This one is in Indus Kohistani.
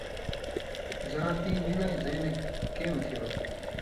زاں تَیں نِیڙَیں زئ نہ کېں اُتھیاؤ؛